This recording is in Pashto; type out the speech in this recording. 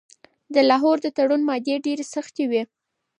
د لاهور د تړون مادې ډیرې سختې وې.